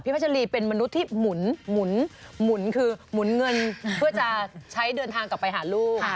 พัชรีเป็นมนุษย์ที่หมุนคือหมุนเงินเพื่อจะใช้เดินทางกลับไปหาลูก